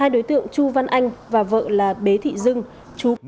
hai đối tượng chu văn anh và vợ là bế thị dưng chu văn anh